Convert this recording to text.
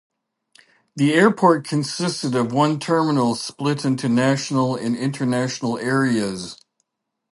The airport consisted of one terminal split into a national and international areas.